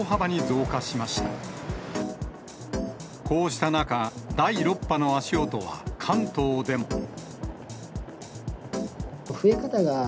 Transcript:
こうした中、第６波の足音は関東でも。